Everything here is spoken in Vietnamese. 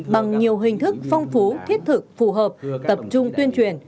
bằng nhiều hình thức phong phú thiết thực phù hợp tập trung tuyên truyền